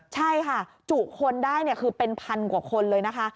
ใช่ค่ะจุคนได้คือเป็นพันกว่าคนเลยนะคะ